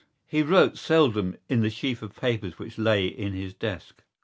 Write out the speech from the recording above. He wrote seldom in the sheaf of papers which lay in his desk.